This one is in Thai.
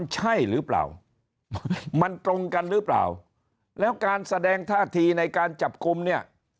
ใช่หรือเปล่ามันตรงกันหรือเปล่าแล้วการแสดงท่าทีในการจับกลุ่มเนี่ย